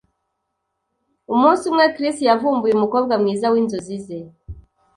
Umunsi umwe, Chris yavumbuye umukobwa mwiza winzozi ze.